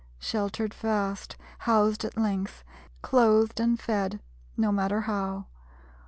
Sheltered fast; Housed at length; Clothed and fed, no matter how!